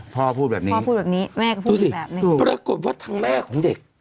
พ่อพูดแบบนี้พี่ดูสิปรากฏว่าทางแม่ของเด็ก